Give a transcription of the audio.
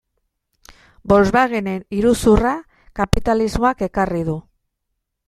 Volkswagenen iruzurra kapitalismoak ekarri du.